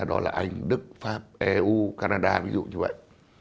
đó là anh đức pháp eu canada ví dụ như vậy